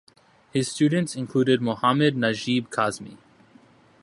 His students included Mohammad Najeeb Qasmi.